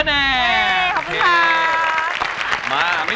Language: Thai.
มาไม่มีบรรยาการนะเรา